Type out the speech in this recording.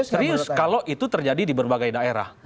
serius kalau itu terjadi di berbagai daerah